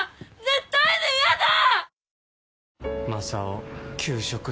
絶対に嫌だ！